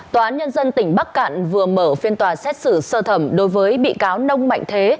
tòa án nhân dân tỉnh bắc cạn vừa mở phiên tòa xét xử sơ thẩm đối với bị cáo nông mạnh thế